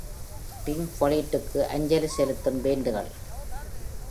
Pink Floyd-க்கு அஞ்சலி செலுத்தும் பேண்டுகள்.